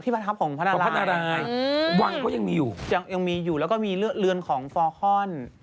ว่ายังมีอยู่แล้วก็มีเรือนของฟอคอน